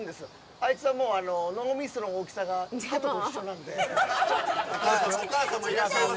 あいつは脳みその大きさがハトと一緒なので。